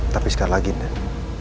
tapi sekali lagi andin